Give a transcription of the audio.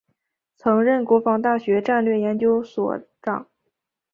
曾任国防大学战略研究所长。